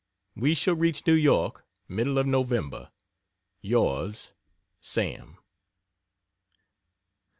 We shall reach New York middle of November. Yours, SAM.